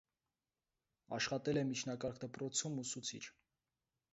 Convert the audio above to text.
Աշխատել է միջնակարգ դպրոցում ուսուցիչ։